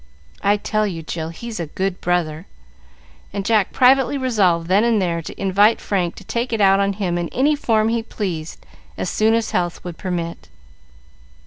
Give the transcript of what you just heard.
I tell you, Jill, he's a good brother!" and Jack privately resolved then and there to invite Frank to take it out of him in any form he pleased as soon as health would permit.